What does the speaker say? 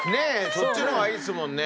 そっちの方がいいですもんね。